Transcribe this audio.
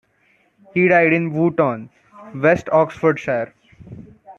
He died in Wootton, West Oxfordshire.